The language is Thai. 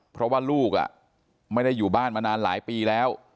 เพราะว่าลูกไม่ได้อยู่บ้านมานานหลายปีแล้ว